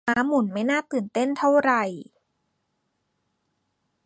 ม้าหมุนไม่น่าตื่นเต้นเท่าไหร่